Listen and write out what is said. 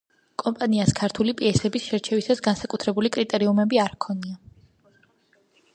კომპანიას ქართული პიესების შერჩევისას განსაკუთრებული კრიტერიუმები არ ჰქონია.